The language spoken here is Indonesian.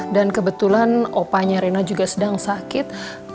dan kebetulan opahnya erina juga sedang sakit